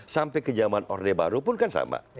sampai ke zaman orde baru pun kan sama